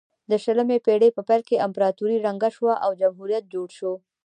د شلمې پیړۍ په پیل کې امپراتوري ړنګه شوه او جمهوریت جوړ شو.